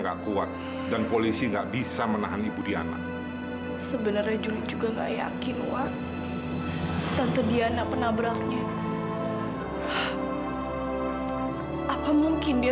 sampai jumpa di video selanjutnya